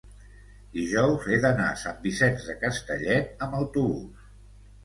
dijous he d'anar a Sant Vicenç de Castellet amb autobús.